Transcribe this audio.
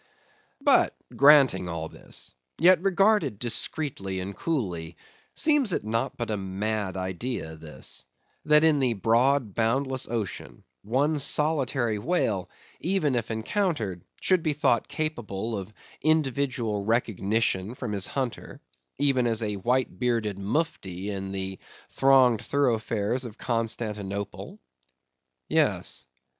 But granting all this; yet, regarded discreetly and coolly, seems it not but a mad idea, this; that in the broad boundless ocean, one solitary whale, even if encountered, should be thought capable of individual recognition from his hunter, even as a white bearded Mufti in the thronged thoroughfares of Constantinople? Yes.